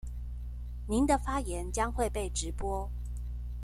您的發言將會被直播